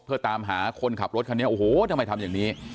เพื่อตามหาคนขับรถคันนี้โอ้โหทำไมทำอย่างนี้